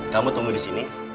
kamu tunggu di sini